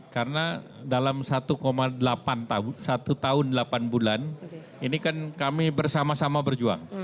karena dalam satu delapan tahun satu tahun delapan bulan ini kan kami bersama sama berjuang